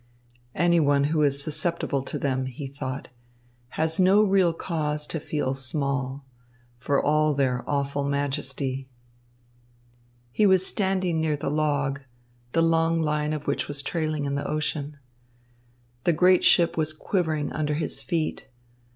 "Any one who is susceptible to them," he thought, "has no real cause to feel small, for all their awful majesty." He was standing near the log, the long line of which was trailing in the ocean. The great ship was quivering under his feet.